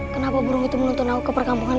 kenapa burung itu menuntun aku ke perkampungan